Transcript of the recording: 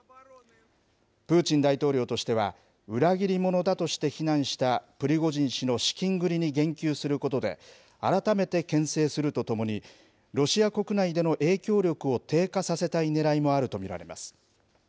プーチン大統領としては、裏切り者だとして非難したプリゴジン氏の資金繰りに言及することで、改めてけん制するとともに、ロシア国内での影響力を低下させたいねらいもあると見られます。